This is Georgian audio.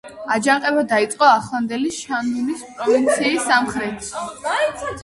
აჯანყება დაიწყო ახლანდელი შანდუნის პროვინციის სამხრეთში.